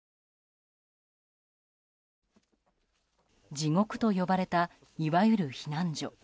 地獄と呼ばれたいわゆる避難所。